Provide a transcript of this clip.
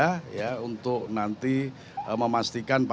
khususnya secara legal formal dengan partai partai politik yang ada